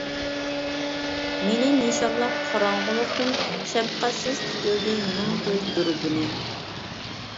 مېنى نىشانلاپ قاراڭغۇلۇقتىن، شەپقەتسىز تىكىلدى مىڭ كۆز دۇربۇنى.